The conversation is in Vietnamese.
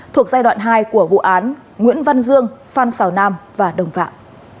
thuộc giai đoạn hai của vụ án nguyễn văn dương phan xào nam và đồng phạm